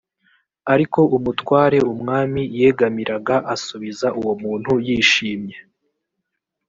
ariko umutware umwami yegamiraga asubiza uwo muntu yishimye